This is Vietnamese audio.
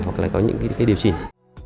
hoặc là có những cái điều chỉnh